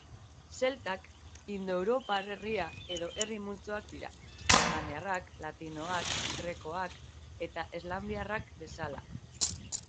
Zeltak indoeuropar herria edo herri multzoa dira, germaniarrak, latinoak, grekoak eta eslaviarrak bezala.